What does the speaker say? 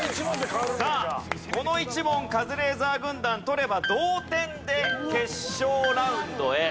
さあこの１問カズレーザー軍団取れば同点で決勝ラウンドへ。